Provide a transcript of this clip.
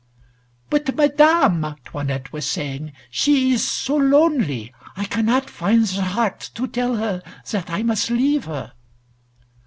"But Madame," 'Toinette was saying, "she is so lonely, I cannot find the heart to tell her that I must leave her."